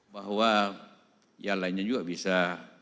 bahwa yang lainnya juga bisa